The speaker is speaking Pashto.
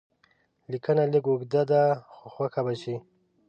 لیکنه لږ اوږده ده خو خوښه به شي.